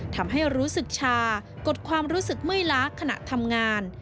ทำให้รู้สึกชากดความรู้สึกเมื่อยล้าขณะทำงาน